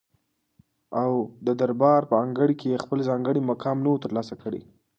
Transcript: او ددربار په انګړ کي یې خپل ځانګړی مقام نه وو تر لاسه کړی